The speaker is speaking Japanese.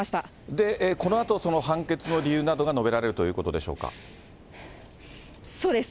で、このあとその判決の理由などが述べられるということでしそうです。